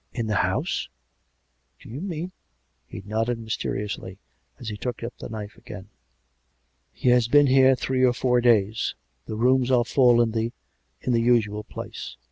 " In the house? ... Do you mean " He nodded mysteriously, as he took up the knife again. " He has been here three or four days. The rooms are full in the ... in the usual place.